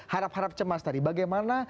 harap harap cemas tadi bagaimana